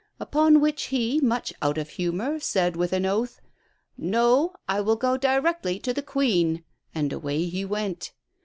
Upon which he, much out of humour, said with an oath: 'No; I will go directly to the Queen,' and away he went.